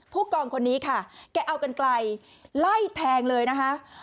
ผู้กองคนนี้ค่ะแกเอากันไกลไล่แทงเลยนะคะ